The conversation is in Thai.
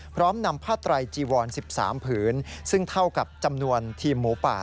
พร้อมนำผ้าไตรจีวร๑๓ผืนซึ่งเท่ากับจำนวนทีมหมูป่า